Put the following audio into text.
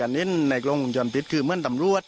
อันนี้ในกล้องวงจรปิดคือเหมือนตำรวจ